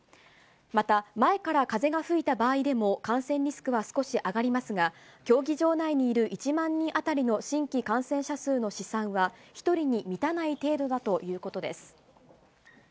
また前から風が吹いた場合でも感染リスクは少し上がりますが、競技場内にいる１万人当たりの新規感染者数の試算は、１人に満たない程度だということです。